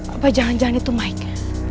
apa jangan jangan itu naik